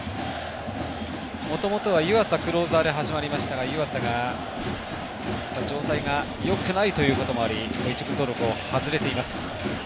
もともとは湯浅クローザーで始まりましたが湯浅が、状態がよくないということもあり登録を外れています。